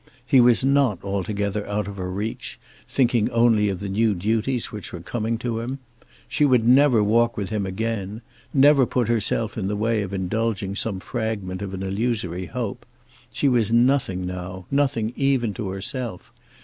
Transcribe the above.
He was now altogether out of her reach, thinking only of the new duties which were coming to him. She would never walk with him again; never put herself in the way of indulging some fragment of an illusory hope. She was nothing now, nothing even to herself.